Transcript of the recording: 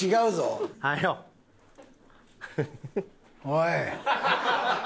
おい。